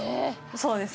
そうですね。